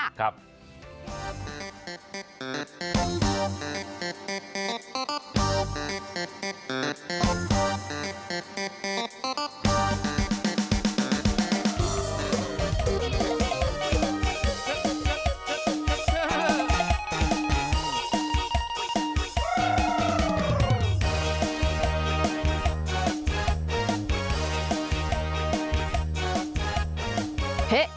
ออกไปดีหนัง